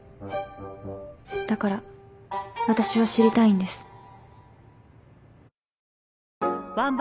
だから私は知りたいんです。